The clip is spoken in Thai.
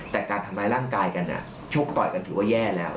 แต่การทำร้ายร่างกายกันชกต่อยกันถือว่าแย่แล้ว